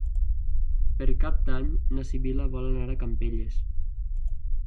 Per Cap d'Any na Sibil·la vol anar a Campelles.